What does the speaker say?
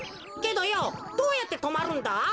けどよどうやってとまるんだ？